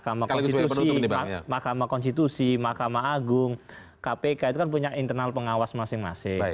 karena kan seperti makam konstitusi makam agung kpk itu kan punya internal pengawas masing masing